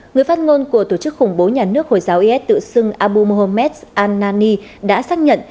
người phát ngôn của tổ chức khủng bố nhà nước hồi giáo is tự xưng abu muhammad al nani đã xác nhận